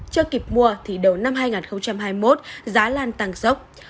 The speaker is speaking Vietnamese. chưa kịp mua thì đầu năm hai nghìn hai mươi một giá lan tăng sốc